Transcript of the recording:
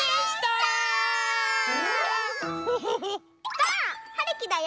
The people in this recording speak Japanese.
ばあっ！はるきだよ。